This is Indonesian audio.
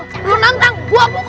belum nantang gua buka